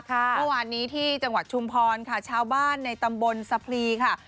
เมื่อวานนี้ที่จังหวัดชุมพรค่ะชาวบ้านในตำบลสะพรีค่ะ